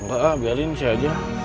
engga ah biarin si aja